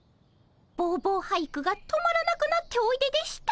ぼうぼう俳句が止まらなくなっておいででした。